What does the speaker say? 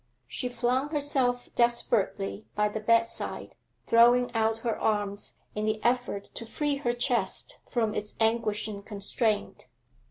She flung herself desperately by the bedside, throwing out her arms in the effort to free her chest from its anguishing constraint.